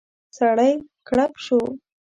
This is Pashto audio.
سړی کړپ شو.